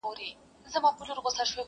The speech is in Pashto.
یو عطار وو یو طوطي یې وو ساتلی!.